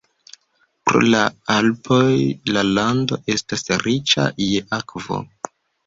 Pro la Alpoj la lando estas riĉa je akvo.